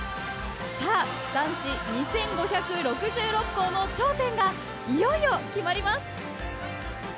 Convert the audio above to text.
男子２５６６校の頂点がいよいよ決まります。